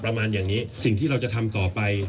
ประมาณอย่างนี้สิ่งที่เราจะทำต่อไป